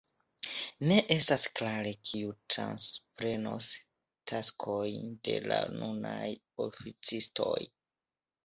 Ne estas klare kiu transprenos taskojn de la nunaj oficistoj.